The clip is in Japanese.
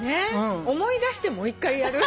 思い出してもう１回やる？